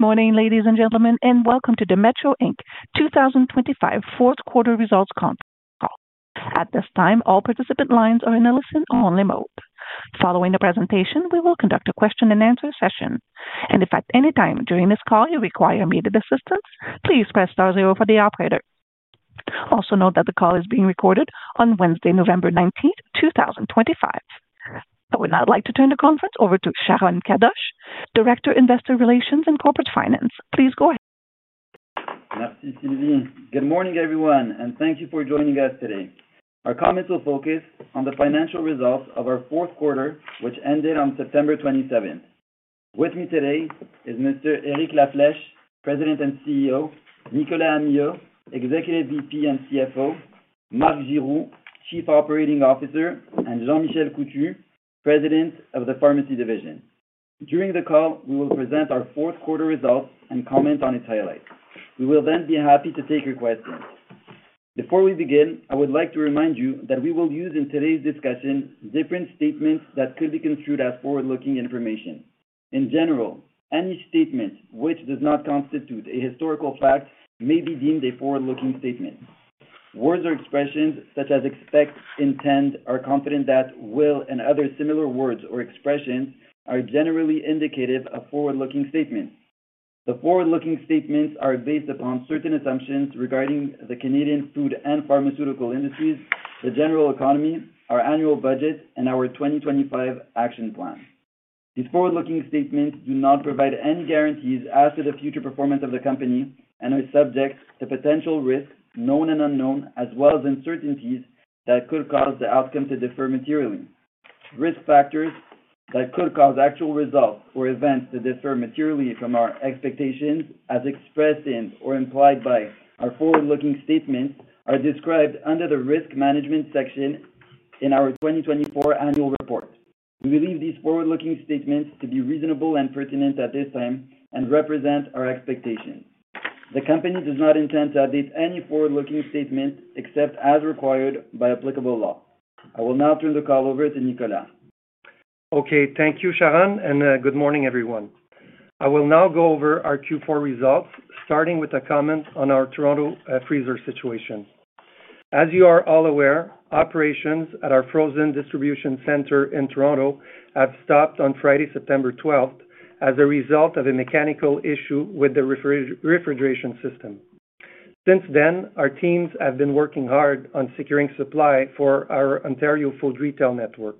Good morning, ladies and gentlemen, and welcome to the Metro Inc. 2025 Fourth Quarter Results Conference call. At this time, all participant lines are in a listen-only mode. Following the presentation, we will conduct a question-and-answer session, and if at any time during this call you require immediate assistance, please press star zero for the operator. Also note that the call is being recorded on Wednesday, November 19th, 2025. I would now like to turn the conference over to Sharon Kadoche, Director, Investor Relations and Corporate Finance. Please go ahead. Merci, Sylvie. Good morning, everyone, and thank you for joining us today. Our comments will focus on the financial results of our fourth quarter, which ended on September 27th. With me today is Mr. Eric La Flèche, President and CEO; Nicolas Amyot, Executive VP and CFO; Marc Giroux, Chief Operating Officer; and Jean-Michel Coutu, President of the Pharmacy Division. During the call, we will present our fourth quarter results and comment on its highlights. We will then be happy to take your questions. Before we begin, I would like to remind you that we will use in today's discussion different statements that could be construed as forward-looking information. In general, any statement which does not constitute a historical fact may be deemed a forward-looking statement. Words or expressions such as expect, intend, or confident that, will, and other similar words or expressions are generally indicative of forward-looking statements. The forward-looking statements are based upon certain assumptions regarding the Canadian food and pharmaceutical industries, the general economy, our annual budget, and our 2025 action plan. These forward-looking statements do not provide any guarantees as to the future performance of the company and are subject to potential risks, known and unknown, as well as uncertainties that could cause the outcome to differ materially. Risk factors that could cause actual results or events to differ materially from our expectations, as expressed in or implied by our forward-looking statements, are described under the risk management section in our 2024 annual report. We believe these forward-looking statements to be reasonable and pertinent at this time and represent our expectations. The company does not intend to update any forward-looking statements except as required by applicable law. I will now turn the call over to Nicolas. Okay, thank you, Sharon, and good morning, everyone. I will now go over our Q4 results, starting with a comment on our Toronto freezer situation. As you are all aware, operations at our frozen distribution center in Toronto have stopped on Friday, September 12, as a result of a mechanical issue with the refrigeration system. Since then, our teams have been working hard on securing supply for our Ontario food retail network.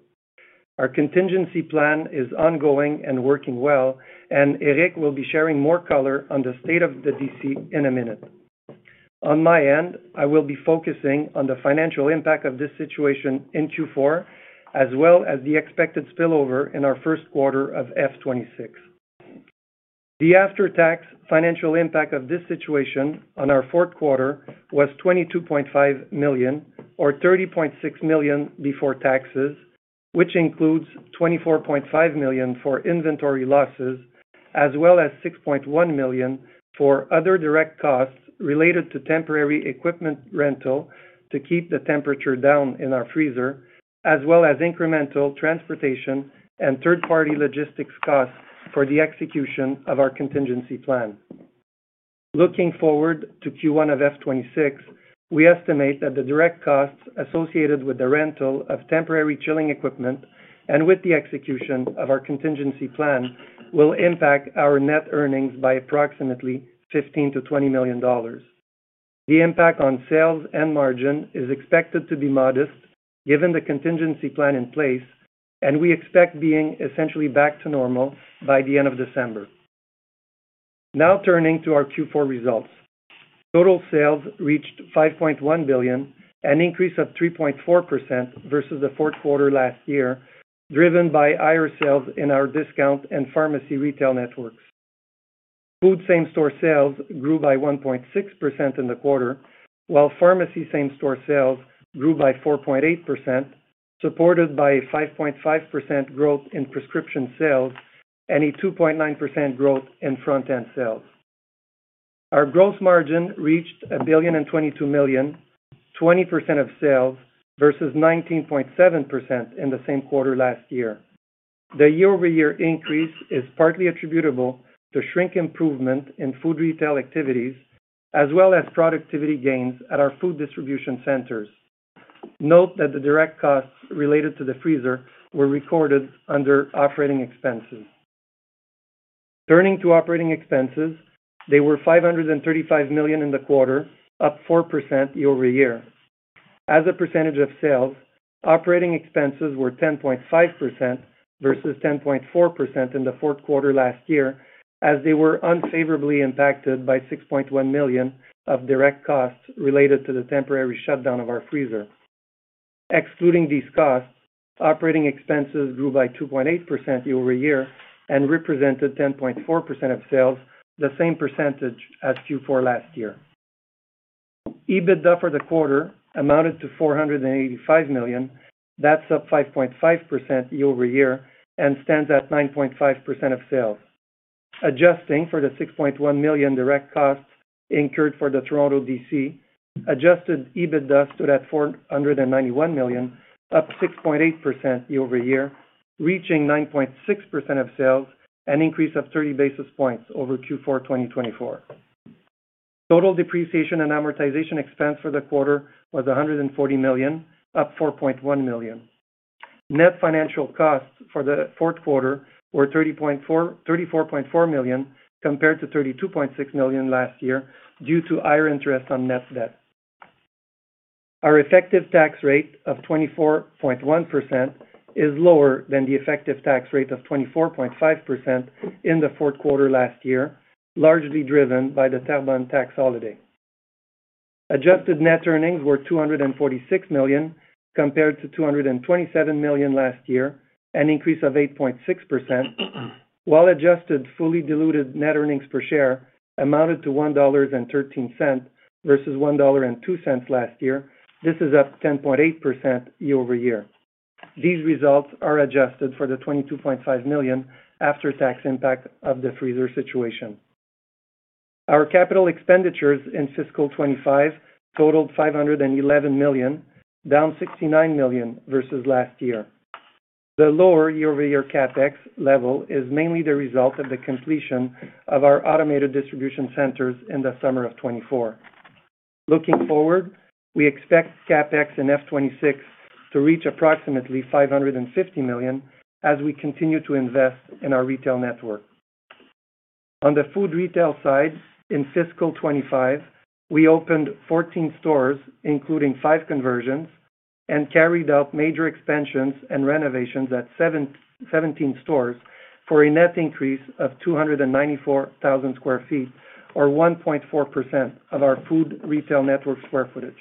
Our contingency plan is ongoing and working well, and Eric will be sharing more color on the state of the DC in a minute. On my end, I will be focusing on the financial impact of this situation in Q4, as well as the expected spillover in our first quarter of FY 2026. The after-tax financial impact of this situation on our fourth quarter was 22.5 million, or 30.6 million before taxes, which includes 24.5 million for inventory losses, as well as 6.1 million for other direct costs related to temporary equipment rental to keep the temperature down in our freezer, as well as incremental transportation and third-party logistics costs for the execution of our contingency plan. Looking forward to Q1 of FY 2026, we estimate that the direct costs associated with the rental of temporary chilling equipment and with the execution of our contingency plan will impact our net earnings by approximately 15 million-20 million dollars. The impact on sales and margin is expected to be modest given the contingency plan in place, and we expect being essentially back to normal by the end of December. Now turning to our Q4 results, total sales reached 5.1 billion, an increase of 3.4% versus the fourth quarter last year, driven by higher sales in our discount and pharmacy retail networks. Food same-store sales grew by 1.6% in the quarter, while pharmacy same-store sales grew by 4.8%, supported by a 5.5% growth in prescription sales and a 2.9% growth in front-end sales. Our gross margin reached 1.022 billion, 20% of sales, versus 19.7% in the same quarter last year. The year-over-year increase is partly attributable to shrink improvement in food retail activities, as well as productivity gains at our food distribution centers. Note that the direct costs related to the freezer were recorded under operating expenses. Turning to operating expenses, they were 535 million in the quarter, up 4% year-over-year. As a percentage of sales, operating expenses were 10.5% versus 10.4% in the fourth quarter last year, as they were unfavorably impacted by 6.1 million of direct costs related to the temporary shutdown of our freezer. Excluding these costs, operating expenses grew by 2.8% year-over-year and represented 10.4% of sales, the same percentage as Q4 last year. EBITDA for the quarter amounted to 485 million. That's up 5.5% year-over-year and stands at 9.5% of sales. Adjusting for the 6.1 million direct costs incurred for the Toronto DC, adjusted EBITDA stood at 491 million, up 6.8% year-over-year, reaching 9.6% of sales, an increase of 30 basis points over Q4 2024. Total depreciation and amortization expense for the quarter was 140 million, up 4.1 million. Net financial costs for the fourth quarter were 34.4 million compared to 32.6 million last year due to higher interest on net debt. Our effective tax rate of 24.1% is lower than the effective tax rate of 24.5% in the fourth quarter last year, largely driven by the tax holiday. Adjusted net earnings were 246 million compared to 227 million last year, an increase of 8.6%, while adjusted fully diluted net earnings per share amounted to $1.13 versus $1.02 last year. This is up 10.8% year-over-year. These results are adjusted for the 22.5 million after-tax impact of the freezer situation. Our capital expenditures in fiscal 2025 totaled 511 million, down 69 million versus last year. The lower year-over-year CapEx level is mainly the result of the completion of our automated distribution centers in the summer of 2024. Looking forward, we expect CapEx in FY 2026 to reach approximately 550 million as we continue to invest in our retail network. On the food retail side, in fiscal 2025, we opened 14 stores, including five conversions, and carried out major expansions and renovations at 17 stores for a net increase of 294,000 sq ft, or 1.4% of our food retail network square footage.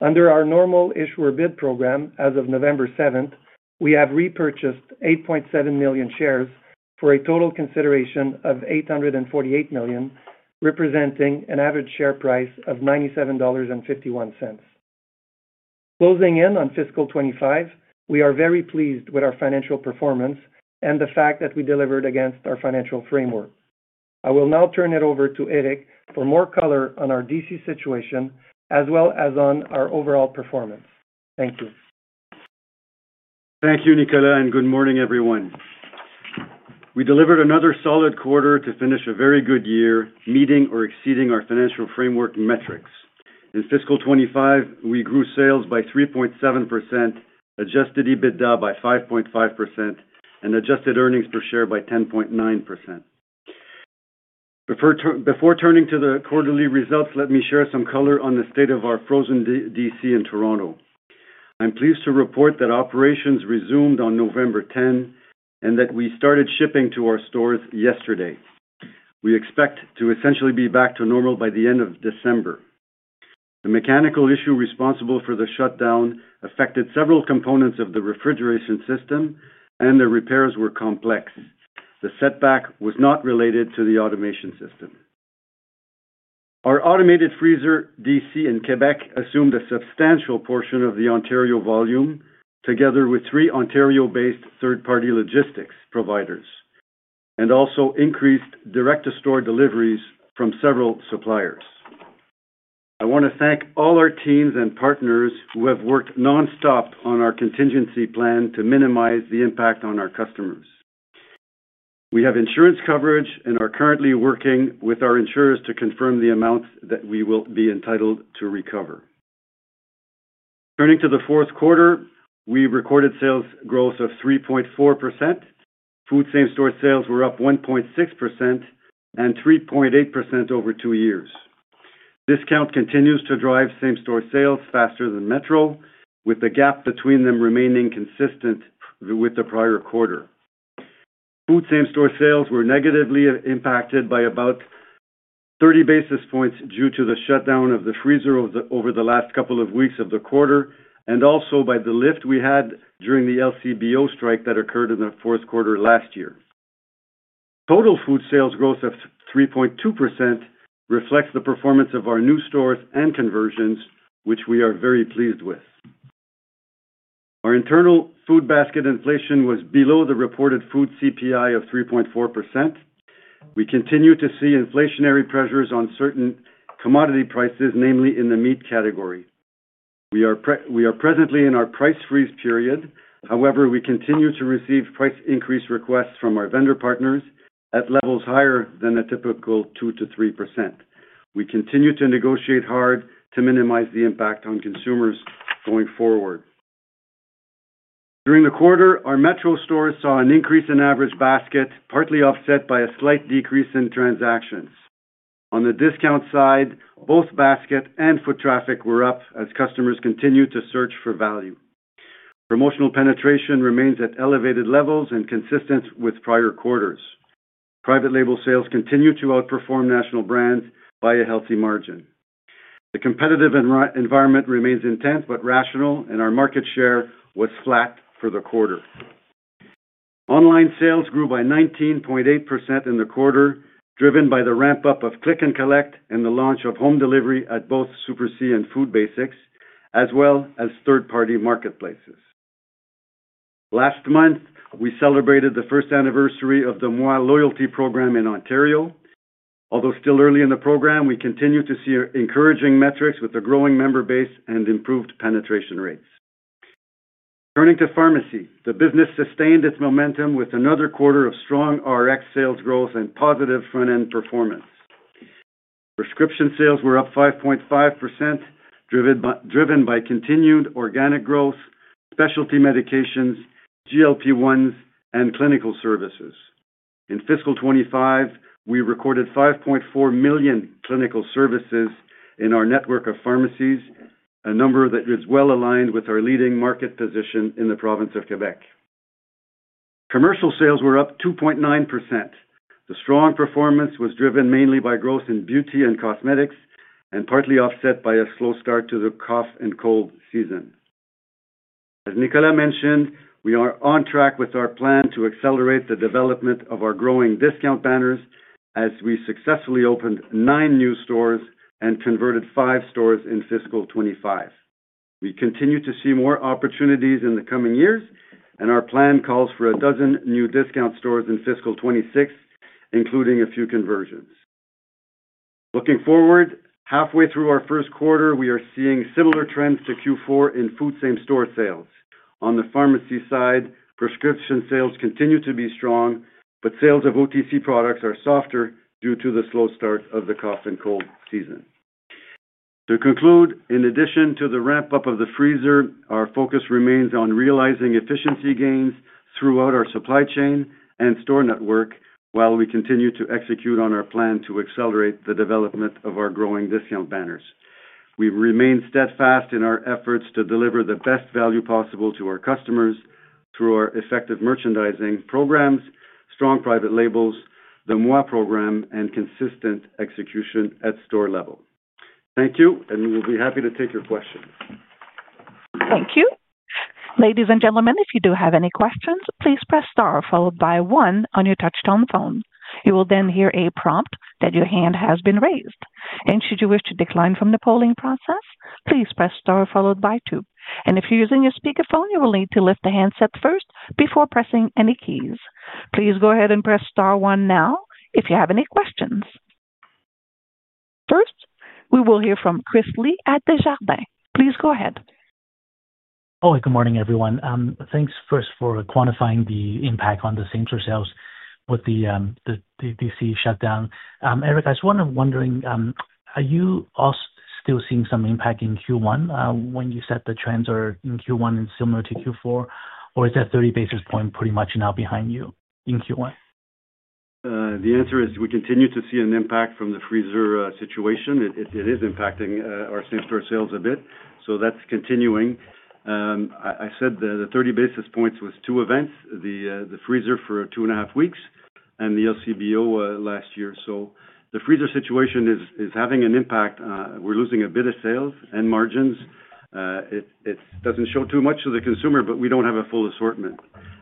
Under our normal course issuer bid program as of November 7, we have repurchased 8.7 million shares for a total consideration of 848 million, representing an average share price of $97.51. Closing in on fiscal 2025, we are very pleased with our financial performance and the fact that we delivered against our financial framework. I will now turn it over to Eric for more color on our DC situation as well as on our overall performance. Thank you. Thank you, Nicolas, and good morning, everyone. We delivered another solid quarter to finish a very good year, meeting or exceeding our financial framework metrics. In fiscal 2025, we grew sales by 3.7%, adjusted EBITDA by 5.5%, and adjusted earnings per share by 10.9%. Before turning to the quarterly results, let me share some color on the state of our frozen DC in Toronto. I'm pleased to report that operations resumed on November 10 and that we started shipping to our stores yesterday. We expect to essentially be back to normal by the end of December. The mechanical issue responsible for the shutdown affected several components of the refrigeration system, and the repairs were complex. The setback was not related to the automation system. Our automated freezer DC in Quebec assumed a substantial portion of the Ontario volume, together with three Ontario-based third-party logistics providers, and also increased direct-to-store deliveries from several suppliers. I want to thank all our teams and partners who have worked nonstop on our contingency plan to minimize the impact on our customers. We have insurance coverage and are currently working with our insurers to confirm the amounts that we will be entitled to recover. Turning to the fourth quarter, we recorded sales growth of 3.4%. Food same-store sales were up 1.6% and 3.8% over two years. Discount continues to drive same-store sales faster than Metro, with the gap between them remaining consistent with the prior quarter. Food same-store sales were negatively impacted by about 30 basis points due to the shutdown of the freezer over the last couple of weeks of the quarter, and also by the lift we had during the LCBO strike that occurred in the fourth quarter last year. Total food sales growth of 3.2% reflects the performance of our new stores and conversions, which we are very pleased with. Our internal food basket inflation was below the reported food CPI of 3.4%. We continue to see inflationary pressures on certain commodity prices, namely in the meat category. We are presently in our price freeze period; however, we continue to receive price increase requests from our vendor partners at levels higher than a typical 2%-3%. We continue to negotiate hard to minimize the impact on consumers going forward. During the quarter, our Metro stores saw an increase in average basket, partly offset by a slight decrease in transactions. On the discount side, both basket and foot traffic were up as customers continued to search for value. Promotional penetration remains at elevated levels and consistent with prior quarters. Private label sales continue to outperform national brands by a healthy margin. The competitive environment remains intense but rational, and our market share was flat for the quarter. Online sales grew by 19.8% in the quarter, driven by the ramp-up of Click & Collect and the launch of home delivery at both Super C and Food Basics, as well as third-party marketplaces. Last month, we celebrated the first anniversary of the Moi Loyalty Program in Ontario. Although still early in the program, we continue to see encouraging metrics with a growing member base and improved penetration rates. Turning to pharmacy, the business sustained its momentum with another quarter of strong RX sales growth and positive front-end performance. Prescription sales were up 5.5%, driven by continued organic growth, specialty medications, GLP-1s, and clinical services. In fiscal 2025, we recorded 5.4 million clinical services in our network of pharmacies, a number that is well aligned with our leading market position in the province of Quebec. Commercial sales were up 2.9%. The strong performance was driven mainly by growth in beauty and cosmetics and partly offset by a slow start to the cough and cold season. As Nicolas mentioned, we are on track with our plan to accelerate the development of our growing discount banners as we successfully opened nine new stores and converted five stores in fiscal 2025. We continue to see more opportunities in the coming years, and our plan calls for a dozen new discount stores in fiscal 2026, including a few conversions. Looking forward, halfway through our first quarter, we are seeing similar trends to Q4 in food same-store sales. On the pharmacy side, prescription sales continue to be strong, but sales of OTC products are softer due to the slow start of the cough and cold season. To conclude, in addition to the ramp-up of the freezer, our focus remains on realizing efficiency gains throughout our supply chain and store network while we continue to execute on our plan to accelerate the development of our growing discount banners. W`e remain steadfast in our efforts to deliver the best value possible to our customers through our effective merchandising programs, strong private labels, the Moi program, and consistent execution at store level. Thank you, and we'll be happy to take your questions. Thank you. Ladies and gentlemen, if you do have any questions, please press star followed by one on your touch-tone phone. You will then hear a prompt that your hand has been raised. Should you wish to decline from the polling process, please press star followed by two. If you are using your speakerphone, you will need to lift the handset first before pressing any keys. Please go ahead and press star one now if you have any questions. First, we will hear from Chris Li at Desjardins. Please go ahead. Oh, good morning, everyone. Thanks first for quantifying the impact on the same-store sales with the DC shutdown. Eric, I was wondering, are you still seeing some impact in Q1 when you said the trends are in Q1 and similar to Q4, or is that 30 basis point pretty much now behind you in Q1? The answer is we continue to see an impact from the freezer situation. It is impacting our same-store sales a bit, so that's continuing. I said the 30 basis points was two events, the freezer for two and a half weeks and the LCBO last year. The freezer situation is having an impact. We're losing a bit of sales and margins. It does not show too much to the consumer, but we do not have a full assortment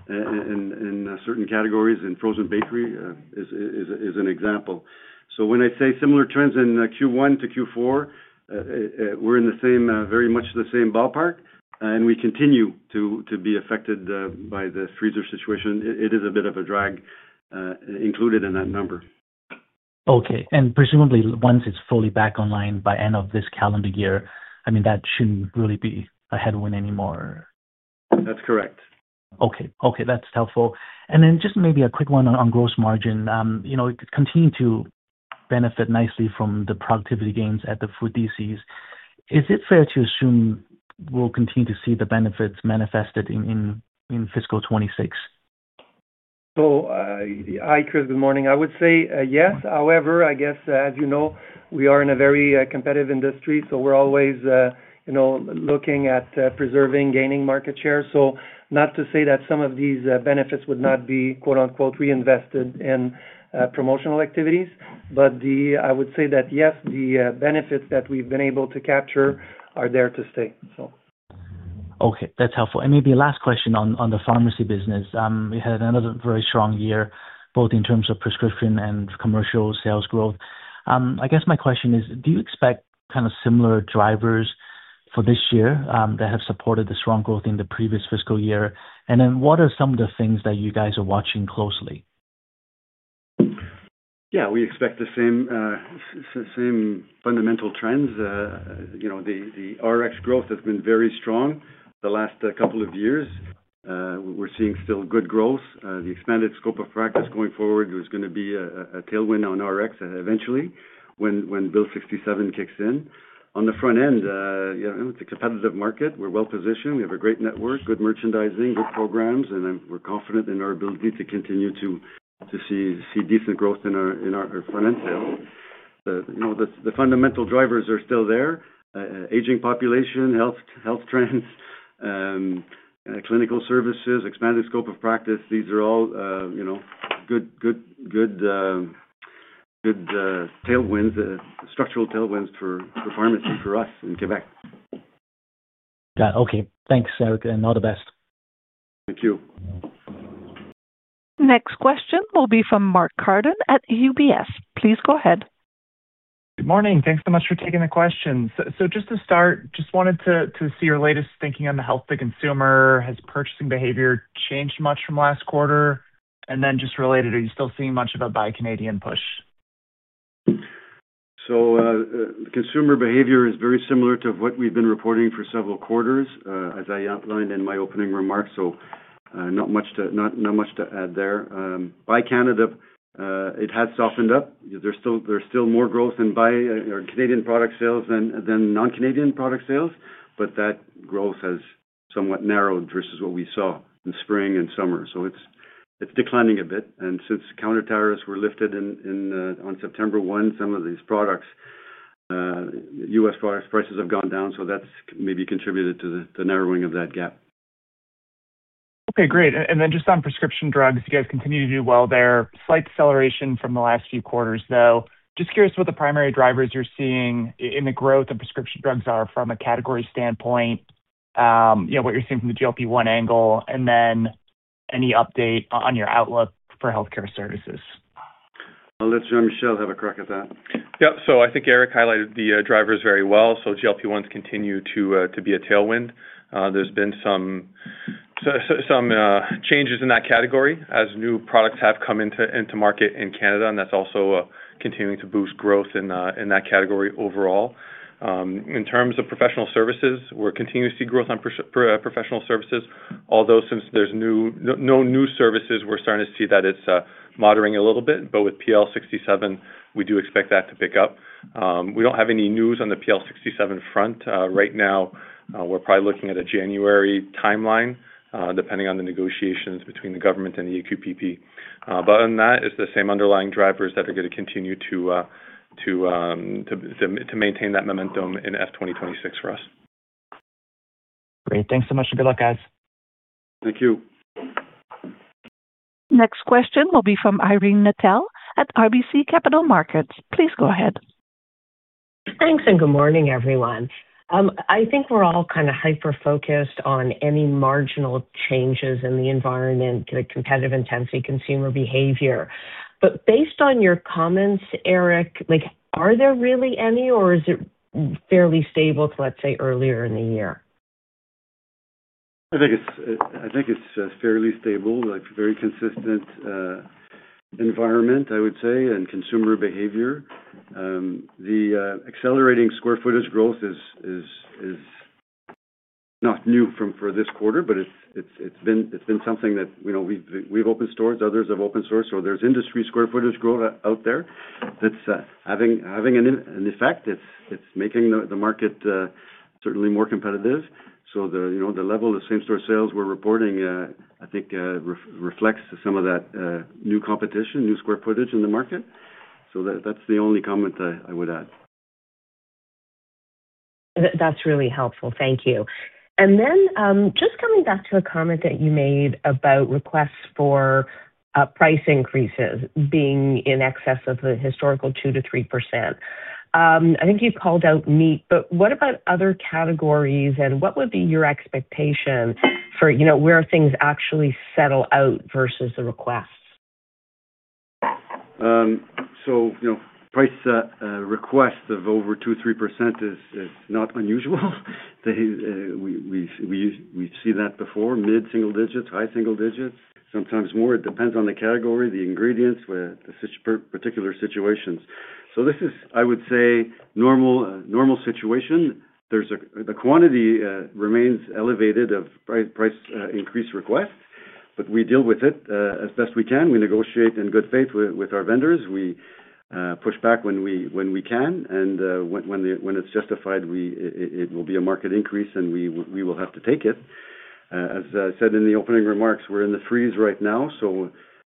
in certain categories. Frozen bakery is an example. When I say similar trends in Q1 to Q4, we are in the same, very much the same ballpark, and we continue to be affected by the freezer situation. It is a bit of a drag included in that number. Okay. Presumably, once it's fully back online by the end of this calendar year, I mean, that shouldn't really be a headwind anymore. That's correct. Okay. Okay. That's helpful. Just maybe a quick one on gross margin. It continued to benefit nicely from the productivity gains at the food DCs. Is it fair to assume we'll continue to see the benefits manifested in fiscal 2026? Hi, Chris. Good morning. I would say yes. However, I guess, as you know, we are in a very competitive industry, so we're always looking at preserving, gaining market shares. Not to say that some of these benefits would not be "reinvested" in promotional activities, but I would say that yes, the benefits that we've been able to capture are there to stay. Okay. That's helpful. Maybe a last question on the pharmacy business. We had another very strong year, both in terms of prescription and commercial sales growth. I guess my question is, do you expect kind of similar drivers for this year that have supported the strong growth in the previous fiscal year? What are some of the things that you guys are watching closely? Yeah. We expect the same fundamental trends. The RX growth has been very strong the last couple of years. We're seeing still good growth. The expanded scope of practice going forward is going to be a tailwind on RX eventually when Bill 67 kicks in. On the front end, it's a competitive market. We're well positioned. We have a great network, good merchandising, good programs, and we're confident in our ability to continue to see decent growth in our front-end sales. The fundamental drivers are still there: aging population, health trends, clinical services, expanded scope of practice. These are all good tailwinds, structural tailwinds for pharmacy for us in Quebec. Got it. Okay. Thanks, Eric. All the best. Thank you. Next question will be from Mark Carden at UBS. Please go ahead. Good morning. Thanks so much for taking the questions. Just to start, just wanted to see your latest thinking on the health of the consumer. Has purchasing behavior changed much from last quarter? Just related, are you still seeing much of a buy Canadian push? Consumer behavior is very similar to what we've been reporting for several quarters, as I outlined in my opening remarks. Not much to add there. Buy Canada, it has softened up. There's still more growth in Canadian product sales than non-Canadian product sales, but that growth has somewhat narrowed versus what we saw in spring and summer. It's declining a bit. Since counterterrorist were lifted on September 1, some of these products, U.S. products, prices have gone down, so that's maybe contributed to the narrowing of that gap. Okay. Great. Just on prescription drugs, you guys continue to do well there. Slight acceleration from the last few quarters, though. Just curious what the primary drivers you're seeing in the growth of prescription drugs are from a category standpoint, what you're seeing from the GLP-1 angle, and then any update on your outlook for healthcare services. I'll let Jean-Michel have a crack at that. Yeah. I think Eric highlighted the drivers very well. GLP-1s continue to be a tailwind. There have been some changes in that category as new products have come into market in Canada, and that is also continuing to boost growth in that category overall. In terms of professional services, we are continuing to see growth on professional services. Although since there are no new services, we are starting to see that it is moderating a little bit. With PL 67, we do expect that to pick up. We do not have any news on the PL 67 front. Right now, we are probably looking at a January timeline, depending on the negotiations between the government and the AQPP. Other than that, it is the same underlying drivers that are going to continue to maintain that momentum in FY 2026 for us. Great. Thanks so much. Good luck, guys. Thank you. Next question will be from Irene Nattel at RBC Capital Markets. Please go ahead. Thanks, and good morning, everyone. I think we're all kind of hyper-focused on any marginal changes in the environment, the competitive intensity, consumer behavior. Based on your comments, Eric, are there really any, or is it fairly stable to, let's say, earlier in the year? I think it's fairly stable, very consistent environment, I would say, and consumer behavior. The accelerating square footage growth is not new for this quarter, but it's been something that we've opened stores, others have opened stores. There is industry square footage growth out there that's having an effect. It's making the market certainly more competitive. The level of same-store sales we're reporting, I think, reflects some of that new competition, new square footage in the market. That's the only comment I would add. That's really helpful. Thank you. Just coming back to a comment that you made about requests for price increases being in excess of the historical 2%-3%. I think you've called out meat, but what about other categories? What would be your expectation for where things actually settle out versus the requests? Price requests of over 2%-3% is not unusual. We've seen that before: mid-single digits, high single digits, sometimes more. It depends on the category, the ingredients, the particular situations. This is, I would say, a normal situation. The quantity remains elevated of price increase requests, but we deal with it as best we can. We negotiate in good faith with our vendors. We push back when we can. When it's justified, it will be a market increase, and we will have to take it. As I said in the opening remarks, we're in the freeze right now.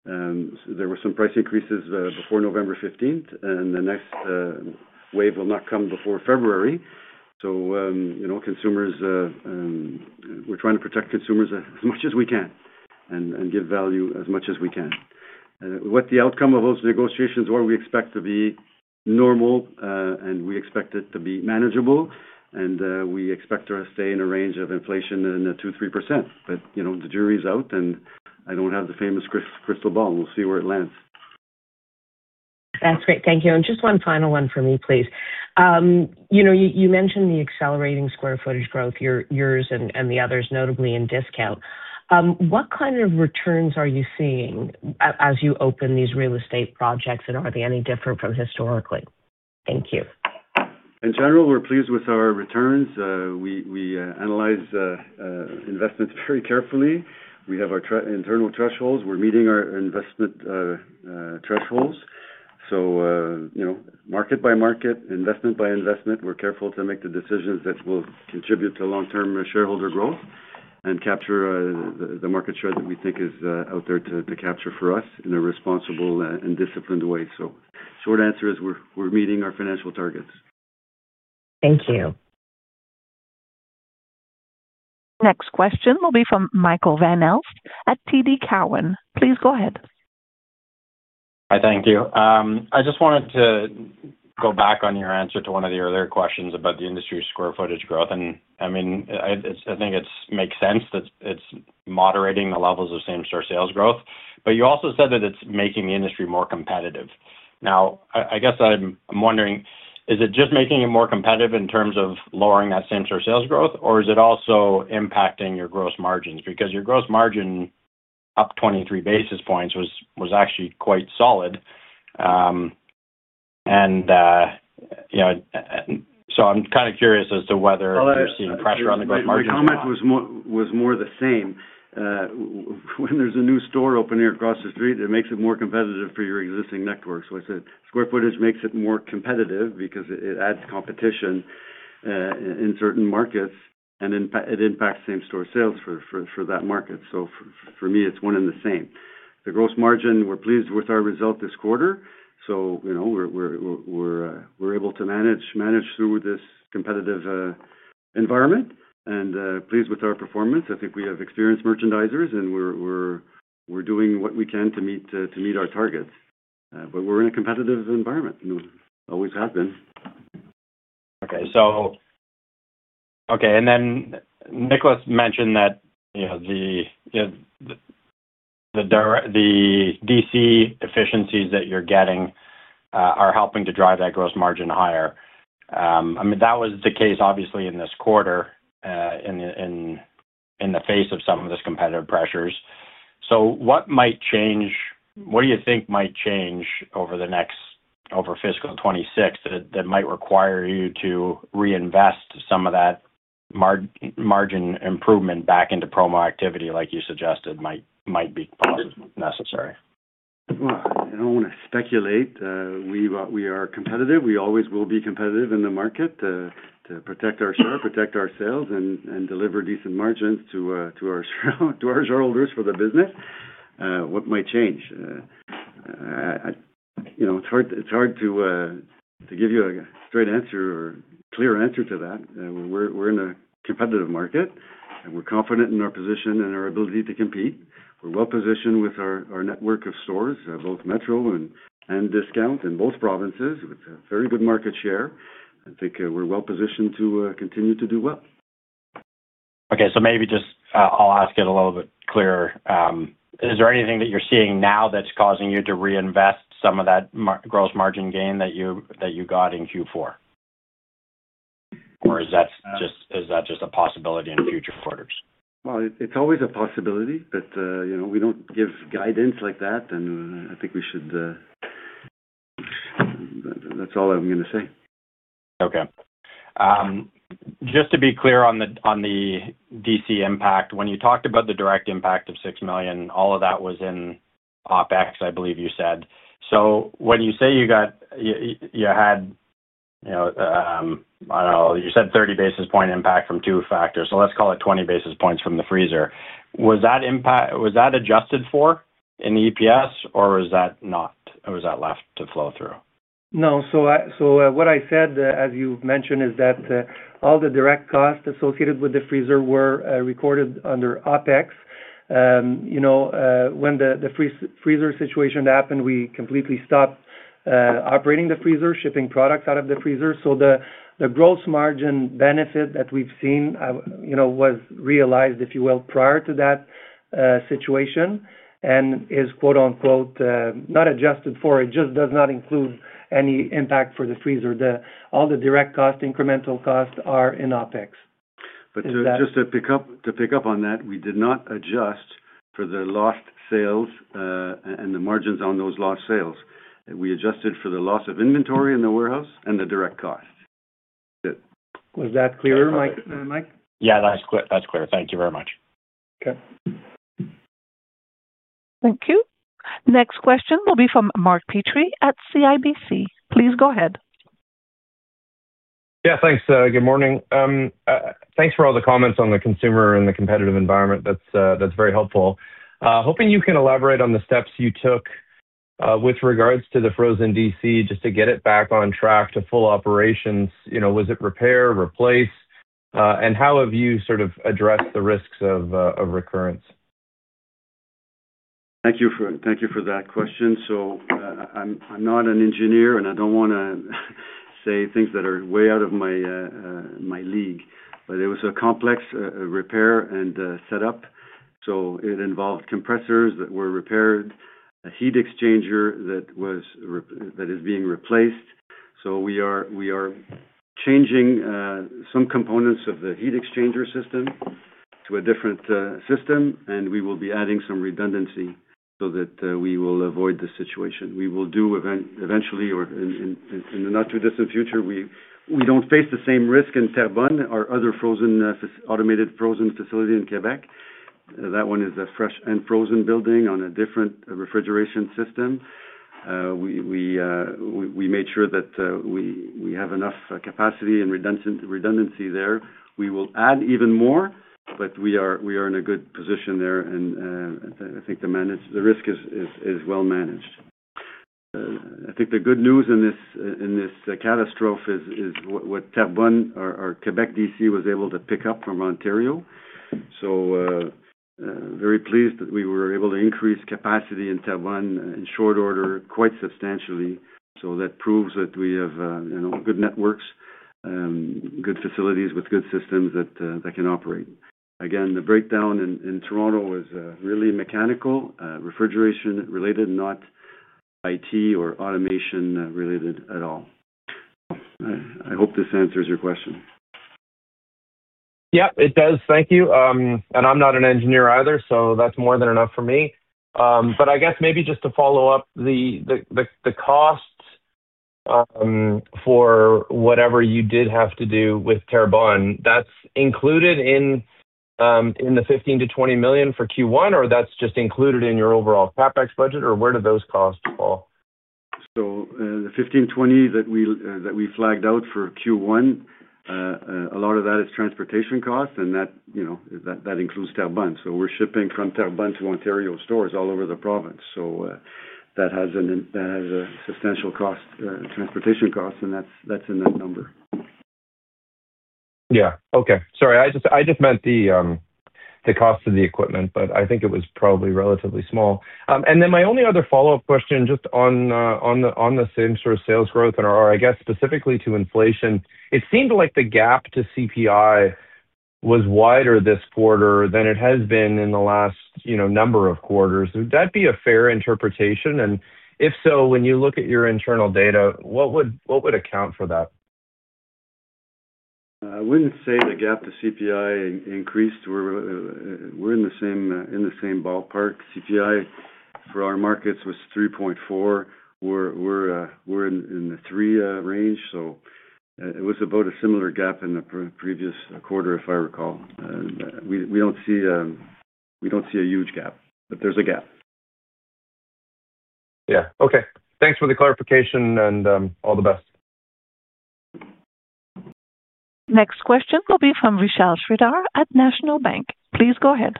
There were some price increases before November 15th, and the next wave will not come before February. We're trying to protect consumers as much as we can and give value as much as we can. What the outcome of those negotiations is, we expect to be normal, and we expect it to be manageable. We expect to stay in a range of inflation in the 2%-3%. The jury's out, and I do not have the famous crystal ball. We'll see where it lands. That's great. Thank you. Just one final one for me, please. You mentioned the accelerating square footage growth, yours and the others, notably in discount. What kind of returns are you seeing as you open these real estate projects, and are they any different from historically? Thank you. In general, we're pleased with our returns. We analyze investments very carefully. We have our internal thresholds. We're meeting our investment thresholds. Market by market, investment by investment, we're careful to make the decisions that will contribute to long-term shareholder growth and capture the market share that we think is out there to capture for us in a responsible and disciplined way. The short answer is we're meeting our financial targets. Thank you. Next question will be from Michael Van Aelst at TD Cowen. Please go ahead. Hi. Thank you. I just wanted to go back on your answer to one of the earlier questions about the industry square footage growth. I mean, I think it makes sense that it's moderating the levels of same-store sales growth. You also said that it's making the industry more competitive. Now, I guess I'm wondering, is it just making it more competitive in terms of lowering that same-store sales growth, or is it also impacting your gross margins? Because your gross margin up 23 basis points was actually quite solid. I am kind of curious as to whether you're seeing pressure on the gross margin. Your comment was more the same. When there's a new store opening across the street, it makes it more competitive for your existing network. I said square footage makes it more competitive because it adds competition in certain markets, and it impacts same-store sales for that market. For me, it's one and the same. The gross margin, we're pleased with our result this quarter. We're able to manage through this competitive environment and pleased with our performance. I think we have experienced merchandisers, and we're doing what we can to meet our targets. We're in a competitive environment. Always has been. Okay. Okay. Nicolas mentioned that the DC efficiencies that you're getting are helping to drive that gross margin higher. I mean, that was the case, obviously, in this quarter in the face of some of this competitive pressures. What might change? What do you think might change over fiscal 2026 that might require you to reinvest some of that margin improvement back into promo activity, like you suggested, might be necessary? I don't want to speculate. We are competitive. We always will be competitive in the market to protect our share, protect our sales, and deliver decent margins to our shareholders for the business. What might change? It's hard to give you a straight answer or clear answer to that. We're in a competitive market, and we're confident in our position and our ability to compete. We're well positioned with our network of stores, both Metro and discount in both provinces, with a very good market share. I think we're well positioned to continue to do well. Okay. Maybe just I'll ask it a little bit clearer. Is there anything that you're seeing now that's causing you to reinvest some of that gross margin gain that you got in Q4? Or is that just a possibility in future quarters? It is always a possibility, but we do not give guidance like that. I think we should—that is all I am going to say. Okay. Just to be clear on the DC impact, when you talked about the direct impact of 6 million, all of that was in OpEx, I believe you said. When you say you had—I do not know. You said 30 basis point impact from two factors. Let's call it 20 basis points from the freezer. Was that adjusted for in the EPS, or was that not? Or was that left to flow through? No. What I said, as you've mentioned, is that all the direct costs associated with the freezer were recorded under OpEx. When the freezer situation happened, we completely stopped operating the freezer, shipping products out of the freezer. The gross margin benefit that we've seen was realized, if you will, prior to that situation and is "not adjusted for." It just does not include any impact for the freezer. All the direct costs, incremental costs, are in OpEx. Just to pick up on that, we did not adjust for the lost sales and the margins on those lost sales. We adjusted for the loss of inventory in the warehouse and the direct costs. That's it. Was that clear, Mike? Yeah. That's clear. Thank you very much. Thank you. Next question will be from Mark Petrie at CIBC. Please go ahead. Yeah. Thanks. Good morning. Thanks for all the comments on the consumer and the competitive environment. That's very helpful. Hoping you can elaborate on the steps you took with regards to the frozen DC just to get it back on track to full operations. Was it repair, replace? How have you sort of addressed the risks of recurrence? Thank you for that question. I'm not an engineer, and I don't want to say things that are way out of my league. It was a complex repair and setup. It involved compressors that were repaired, a heat exchanger that is being replaced. We are changing some components of the heat exchanger system to a different system, and we will be adding some redundancy so that we will avoid this situation. We will do eventually, or in the not-too-distant future. We don't face the same risk in Terrebonne or our other automated frozen facility in Quebec. That one is a fresh and frozen building on a different refrigeration system. We made sure that we have enough capacity and redundancy there. We will add even more, but we are in a good position there. I think the risk is well managed. I think the good news in this catastrophe is what Terrebonne or Quebec DC was able to pick up from Ontario. Very pleased that we were able to increase capacity in Terrebonne in short order, quite substantially. That proves that we have good networks, good facilities with good systems that can operate. Again, the breakdown in Toronto was really mechanical, refrigeration related, not IT or automation related at all. I hope this answers your question. Yep, it does. Thank you. I'm not an engineer either, so that's more than enough for me. I guess maybe just to follow up, the costs for whatever you did have to do with Terrebonne, that's included in the 15 million-20 million for Q1, or that's just included in your overall CapEx budget, or where do those costs fall? The 15 million-20 million that we flagged out for Q1, a lot of that is transportation costs, and that includes Terrebonne. We're shipping from Terrebonne to Ontario stores all over the province. That has a substantial transportation cost, and that's in that number. Yeah. Okay. Sorry. I just meant the cost of the equipment, but I think it was probably relatively small. My only other follow-up question just on the same-store sales growth, or I guess specifically to inflation, it seemed like the gap to CPI was wider this quarter than it has been in the last number of quarters. Would that be a fair interpretation? If so, when you look at your internal data, what would account for that? I wouldn't say the gap to CPI increased. We're in the same ballpark. CPI for our markets was 3.4%. We're in the 3% range. It was about a similar gap in the previous quarter, if I recall. We don't see a huge gap, but there's a gap. Yeah. Okay. Thanks for the clarification, and all the best. Next question will be from Vishal Shreedhar at National Bank. Please go ahead.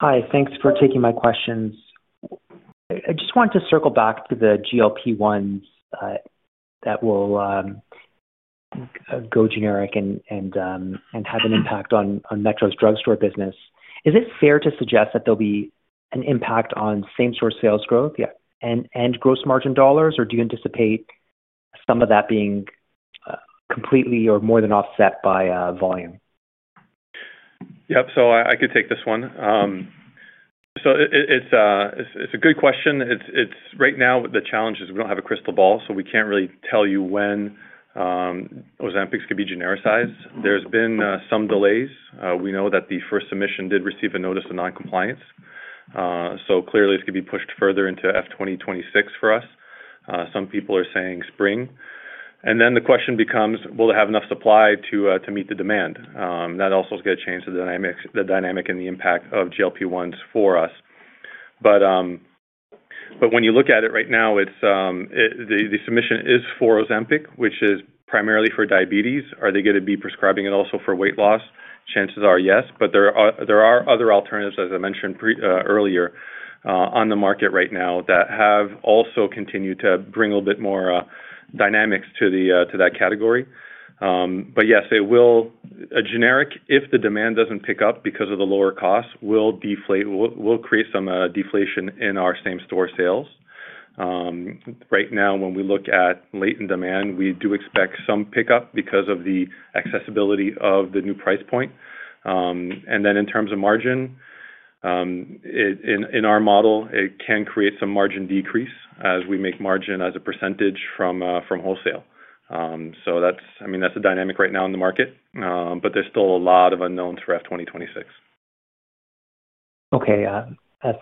Hi. Thanks for taking my questions. I just want to circle back to the GLP-1s that will go generic and have an impact on Metro's drugstore business. Is it fair to suggest that there'll be an impact on same-store sales growth and gross margin dollars, or do you anticipate some of that being completely or more than offset by volume? Yep. I could take this one. It's a good question. Right now, the challenge is we don't have a crystal ball, so we can't really tell you when Ozempic could be genericized. There's been some delays. We know that the first submission did receive a notice of non-compliance. Clearly, it's going to be pushed further into FY 2026 for us. Some people are saying spring. The question becomes, will they have enough supply to meet the demand? That also is going to change the dynamic and the impact of GLP-1s for us. When you look at it right now, the submission is for Ozempic, which is primarily for diabetes. Are they going to be prescribing it also for weight loss? Chances are yes. There are other alternatives, as I mentioned earlier, on the market right now that have also continued to bring a little bit more dynamics to that category. Yes, a generic, if the demand does not pick up because of the lower costs, will create some deflation in our same-store sales. Right now, when we look at latent demand, we do expect some pickup because of the accessibility of the new price point. In terms of margin, in our model, it can create some margin decrease as we make margin as a percentage from wholesale. I mean, that is the dynamic right now in the market, but there is still a lot of unknowns for FY 2026. Okay.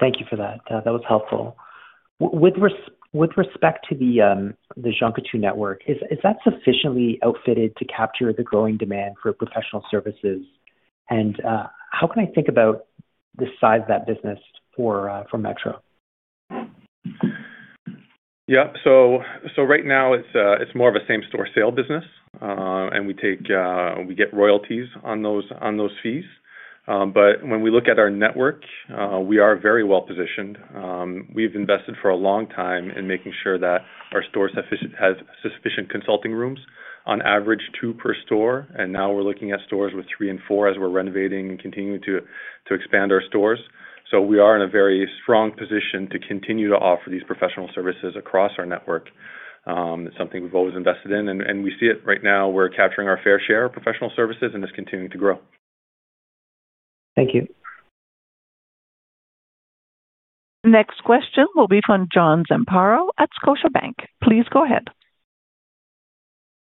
Thank you for that. That was helpful. With respect to the Jean Coutu network, is that sufficiently outfitted to capture the growing demand for professional services? And how can I think about the size of that business for Metro? Yep. Right now, it's more of a same-store sale business, and we get royalties on those fees. When we look at our network, we are very well positioned. We've invested for a long time in making sure that our stores have sufficient consulting rooms, on average two per store. Now we're looking at stores with three and four as we're renovating and continuing to expand our stores. We are in a very strong position to continue to offer these professional services across our network. It's something we've always invested in. We see it right now. We're capturing our fair share of professional services and just continuing to grow. Thank you. Next question will be from John Zamparo at Scotiabank. Please go ahead.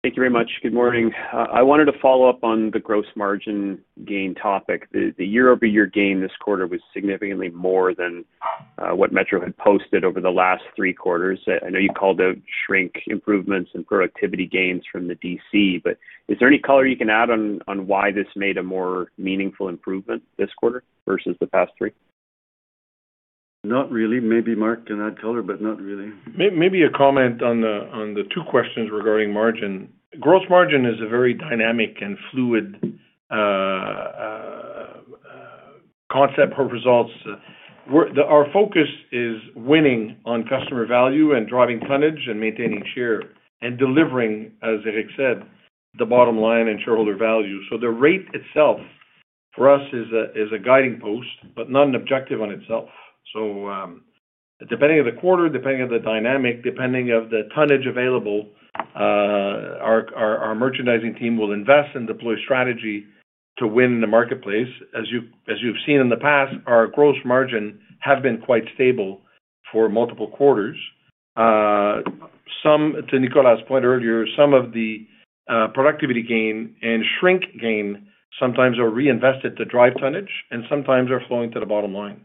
Thank you very much. Good morning. I wanted to follow up on the gross margin gain topic. The year-over-year gain this quarter was significantly more than what Metro had posted over the last three quarters. I know you called it shrink improvements and productivity gains from the DC, but is there any color you can add on why this made a more meaningful improvement this quarter versus the past three? Not really. Maybe Michel can add color, but not really. Maybe a comment on the two questions regarding margin. Gross margin is a very dynamic and fluid concept for results. Our focus is winning on customer value and driving tonnage and maintaining share and delivering, as Eric said, the bottom line and shareholder value. The rate itself for us is a guiding post, but not an objective on itself. Depending on the quarter, depending on the dynamic, depending on the tonnage available, our merchandising team will invest and deploy strategy to win in the marketplace. As you've seen in the past, our gross margin has been quite stable for multiple quarters. To Nicolas' point earlier, some of the productivity gain and shrink gain sometimes are reinvested to drive tonnage, and sometimes are flowing to the bottom line.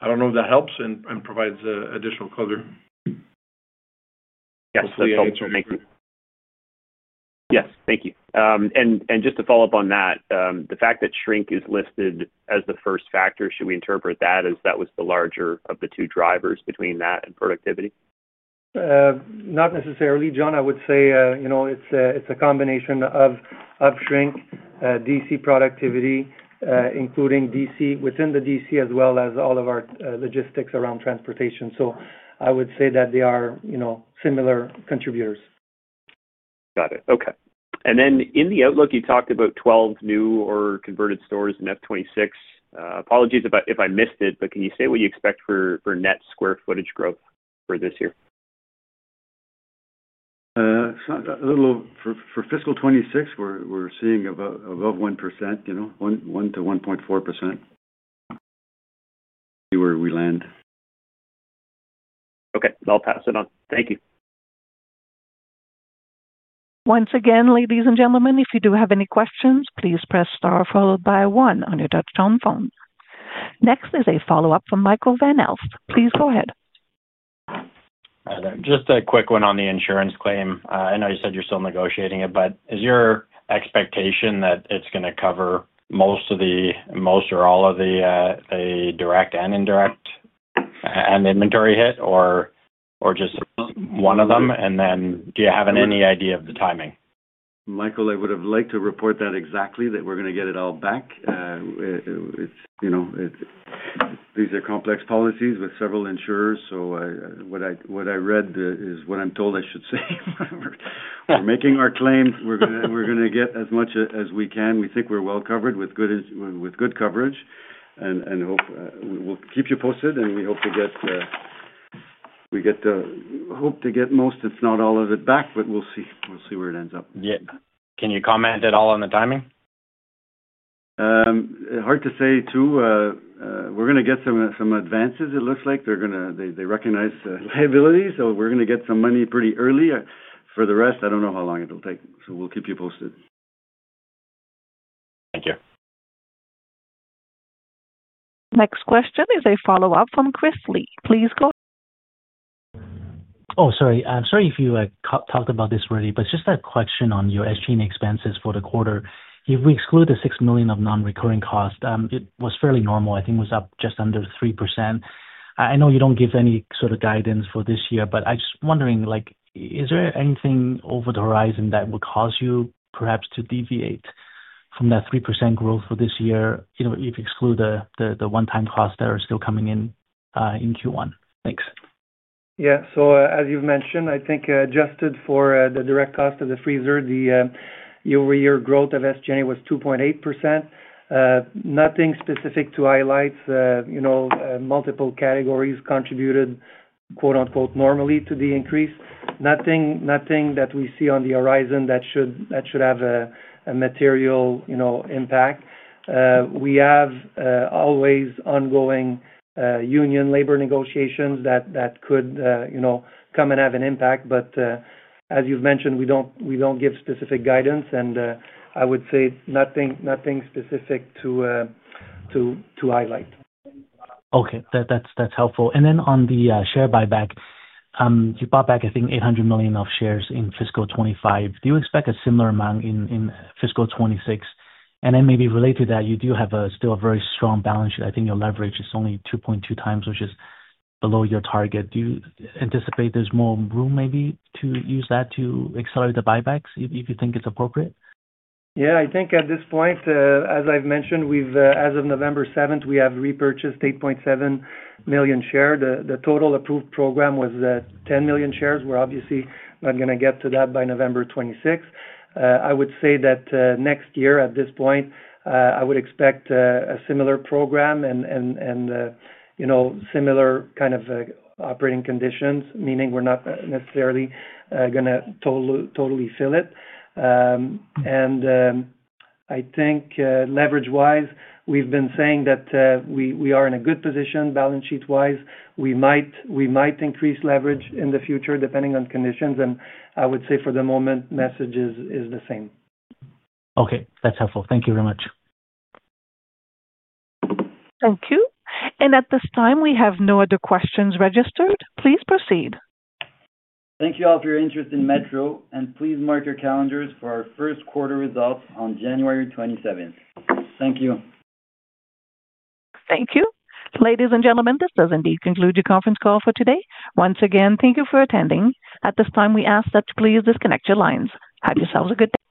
I don't know if that helps and provides additional color. Yes. Hopefully, it helps. Thank you. Yes. Thank you. Just to follow up on that, the fact that shrink is listed as the first factor, should we interpret that as that was the larger of the two drivers between that and productivity? Not necessarily. John, I would say it's a combination of shrink, DC productivity, including within the DC as well as all of our logistics around transportation. I would say that they are similar contributors. Got it. Okay. In the outlook, you talked about 12 new or converted stores in FY 2026. Apologies if I missed it, but can you say what you expect for net square footage growth for this year? For fiscal 2026, we're seeing above 1%, 1%-1.4%. See where we land. Okay. I'll pass it on. Thank you. Once again, ladies and gentlemen, if you do have any questions, please press star followed by one on your touch-tone phone. Next is a follow-up from Michael Van Aelst. Please go ahead. Just a quick one on the insurance claim. I know you said you're still negotiating it, but is your expectation that it's going to cover most or all of the direct and indirect and inventory hit, or just one of them? Do you have any idea of the timing? Michael, I would have liked to report that exactly, that we're going to get it all back. These are complex policies with several insurers. What I read is what I'm told I should say. We're making our claims. We're going to get as much as we can. We think we're well covered with good coverage. We'll keep you posted, and we hope to get most, if not all of it back, but we'll see where it ends up. Yeah. Can you comment at all on the timing? Hard to say too. We're going to get some advances, it looks like. They recognize liability, so we're going to get some money pretty early. For the rest, I don't know how long it'll take. We'll keep you posted. Thank you. Next question is a follow-up from Chris Li. Please go ahead. Oh, sorry. I'm sorry if you talked about this already, but just a question on your SG&A expenses for the quarter. If we exclude the 6 million of non-recurring costs, it was fairly normal. I think it was up just under 3%. I know you don't give any sort of guidance for this year, but I'm just wondering, is there anything over the horizon that will cause you perhaps to deviate from that 3% growth for this year if you exclude the one-time costs that are still coming in Q1? Thanks. Yeah. As you've mentioned, I think adjusted for the direct cost of the freezer, the year-over-year growth of SG&A was 2.8%. Nothing specific to highlight. Multiple categories contributed "normally" to the increase. Nothing that we see on the horizon that should have a material impact. We have always ongoing union labor negotiations that could come and have an impact. As you've mentioned, we don't give specific guidance, and I would say nothing specific to highlight. Okay. That's helpful. On the share buyback, you bought back, I think, 800 million of shares in fiscal 2025. Do you expect a similar amount in fiscal 2026? Maybe related to that, you do have still a very strong balance sheet. I think your leverage is only 2.2 times, which is below your target. Do you anticipate there's more room maybe to use that to accelerate the buybacks if you think it's appropriate? Yeah. I think at this point, as I've mentioned, as of November 7, we have repurchased 8.7 million shares. The total approved program was 10 million shares. We're obviously not going to get to that by November 2026. I would say that next year, at this point, I would expect a similar program and similar kind of operating conditions, meaning we're not necessarily going to totally fill it. I think leverage-wise, we've been saying that we are in a good position balance sheet-wise. We might increase leverage in the future depending on conditions. I would say for the moment, message is the same. Okay. That's helpful. Thank you very much. Thank you. At this time, we have no other questions registered. Please proceed. Thank you all for your interest in Metro. Please mark your calendars for our first quarter results on January 27. Thank you. Thank you. Ladies and gentlemen, this does indeed conclude your conference call for today. Once again, thank you for attending. At this time, we ask that you please disconnect your lines. Have yourselves a good day.